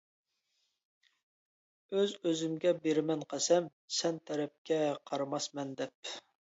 ئۆز ئۆزۈمگە بېرىمەن قەسەم، سەن تەرەپكە قارىماسمەن دەپ.